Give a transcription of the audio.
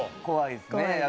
怖いですね。